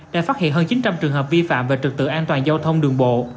đã phát hiện hơn chín trăm linh trường hợp vi phạm về trực tự an toàn giao thông đường bộ